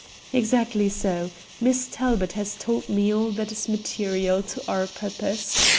"Exactly so. Miss Talbot has told me all that is material to our purpose.